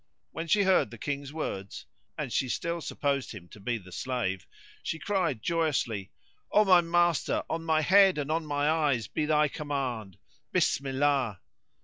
When she heard the King's words (and she still supposed him to be the slave) she cried joyously, "O my master, on my head and on my eyes be thy command, Bismillah[FN#136]!"